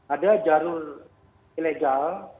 ada jarur ilegal